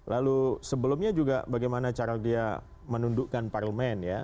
lalu sebelumnya juga bagaimana cara dia menundukkan parlemen ya